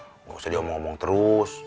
nggak usah diomong omong terus